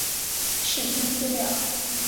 视听资料